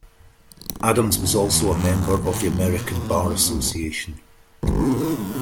Adams was also a member of the American Bar Association.